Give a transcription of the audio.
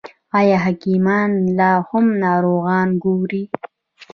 آیا حکیمان لا هم ناروغان ګوري؟